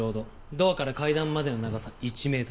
ドアから階段までの長さ１メートル。